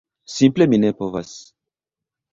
Simple mi ne povas.